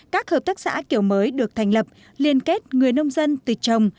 các hợp tác xã kiểu mới được thành lập liên kết người nông dân từ trồng